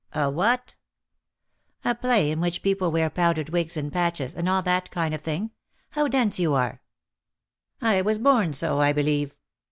'^'' A what ?"" A play in which the people wear powdered wigs and patches, and all that kind of thing. How dense you are." " I was born so, I believe.